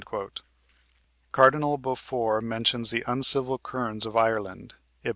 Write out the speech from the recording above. Cardinal Beaufort mentions the "uncivil kernes of Ireland" (Ib.